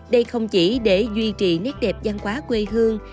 đây không chỉ để duy trì nét đẹp văn hóa quê hương